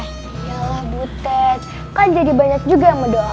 yalah butet kan jadi banyak juga yang mendoakan